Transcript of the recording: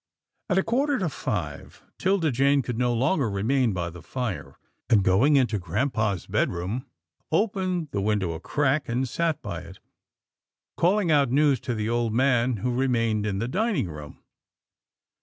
At a quarter to five, 'Tilda Jane could no longer remain by the fire, and, going into grampa's bed room, opened the window a crack, and sat by it, calling out news to the old man who remained in the dining room.